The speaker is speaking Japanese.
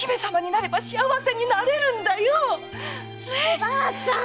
おばあちゃん！